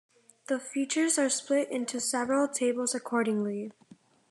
The features are split into several tables accordingly.